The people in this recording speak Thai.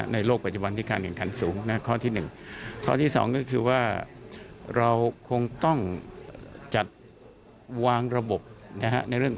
ในโลกปัจจุบันที่การเงินขันสูงข้อที่หนึ่ง